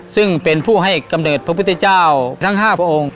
ซึ่งเป็นผู้ให้กำเนิดพระพุทธเจ้าทั้ง๕พระองค์